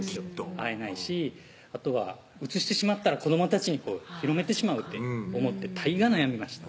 会えないしあとはうつしてしまったら子どもたちに広めてしまうって思ってたいが悩みました